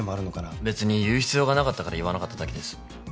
別に言う必要がなかったから言わなかっただけです。